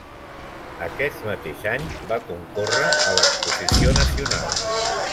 Aquest mateix any va concórrer a l'Exposició Nacional.